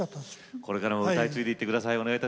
これからも歌い継いでいってください。